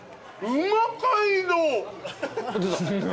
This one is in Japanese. うま街道